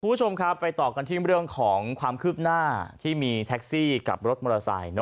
คุณผู้ชมครับไปต่อกันที่เรื่องของความคืบหน้าที่มีแท็กซี่กับรถมอเตอร์ไซค์